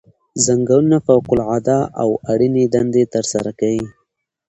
ځنګلونه فوق العاده او اړینې دندې ترسره کوي.